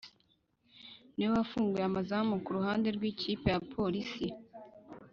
niwe wafunguye amazamu ku ruhande rw’ikipe ya polisi